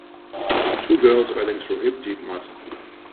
Two girls wading through hip deep mud.